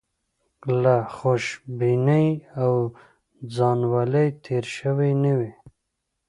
له خودبینۍ او ځانولۍ تېر شوي نه وي.